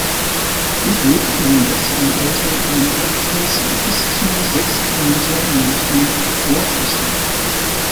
Fleetwood im Westen eilte in einem Halbkreis bis zu sechs Kilometer in Richtung Worcester.